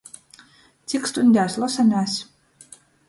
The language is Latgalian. Cik stuņdēs losomēs?